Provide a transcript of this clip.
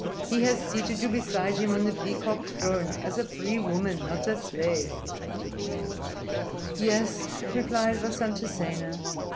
He has seated you beside him on the peacock throne, as a free woman not a slave." "Yes," replied Vasantasena.